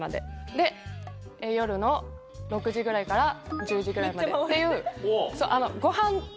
で夜の６時ぐらいから１０時ぐらいまでっていう。